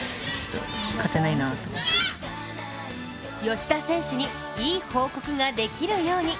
吉田選手に良い報告ができるように。